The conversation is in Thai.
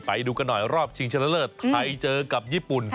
ไปดูกันหน่อยรอบชิงชนะเลิศไทยเจอกับญี่ปุ่น